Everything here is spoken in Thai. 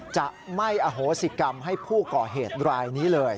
จะไม่อโหสิกรรมให้ผู้ก่อเหตุรายนี้เลย